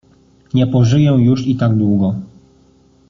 Nie pożyję już i tak długo.